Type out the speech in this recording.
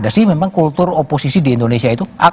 ada sih memang kultur oposisi di indonesia itu